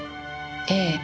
ええ。